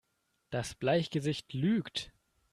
Das Bleichgesicht lügt!